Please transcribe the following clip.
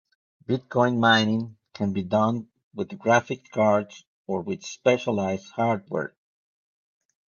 Bitcoin mining can be done with graphic cards or with specialized hardware.